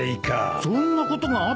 そんなことがあったね。